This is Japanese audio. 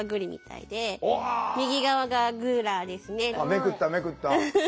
めくっためくった。